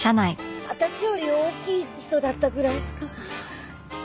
私より大きい人だったぐらいしか。